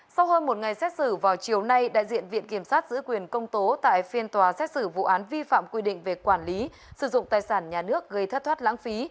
sau hơn một ngày xét xử vào chiều nay đại diện viện kiểm sát giữ quyền công tố tại phiên tòa xét xử vụ án vi phạm quy định về quản lý sử dụng tài sản nhà nước gây thất thoát lãng phí